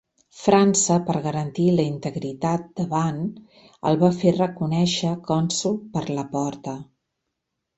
França per garantir la integritat de Ban, el va fer reconèixer cònsol per la Porta.